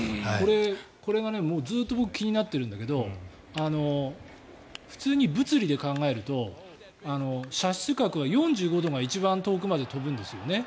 これがもうずっと僕、気になってるんだけど普通に物理で考えると射出角は４５度が一番遠くまで飛ぶんですよね。